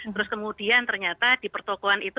terus kemudian ternyata di pertokohan itu